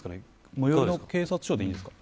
最寄りの警察署でいいんですか。